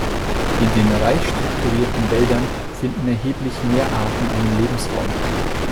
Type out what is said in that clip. In den reich strukturierten Wäldern finden erheblich mehr Arten einen Lebensraum.